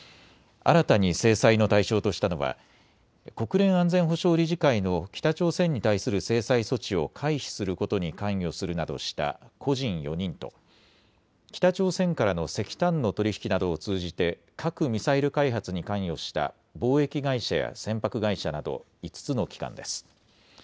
新たに制裁の対象としたのは国連安全保障理事会の北朝鮮に対する制裁措置を回避することに関与するなどした個人４人と北朝鮮からの石炭の取り引きなどを通じて核・ミサイル開発に関与した貿易会社や船舶会社など５つの機関です。